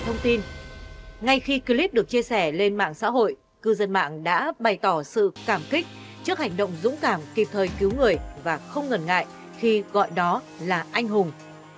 ngay khi clip được chia sẻ lên mạng xã hội cư dân mạng đã bày tỏ sự cảm kích trước hành động dũng cảm kịp thời cứu người và không ngần ngại khi gọi đó là anh hùng